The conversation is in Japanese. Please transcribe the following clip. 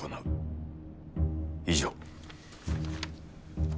以上。